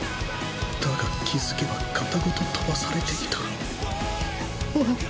だが気付けば肩ごと飛ばされていた。